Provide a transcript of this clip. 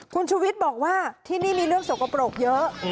คุณชูวิทย์บอกว่าที่นี่มีเรื่องสกปรกเยอะ